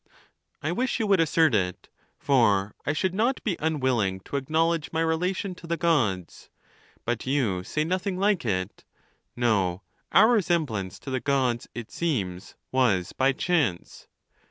I wish you would assert it; for I should not be unwilling to acknowledge my relation to the Gods. But you say nothing like it ; no, our resemblance to the Gods, it seems, was by chance.